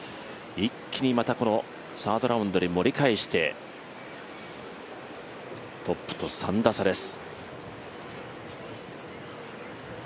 一気にまたサードラウンドで盛り返してトップと３打差です。